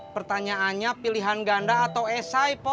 pertanyaannya pilihan ganda atau esay po